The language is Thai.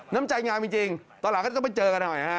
น้ำใจงามจริงตอนหลังก็ต้องไปเจอกันหน่อยฮะ